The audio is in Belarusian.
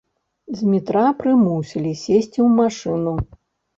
Змітра прымусілі сесці ў машыну.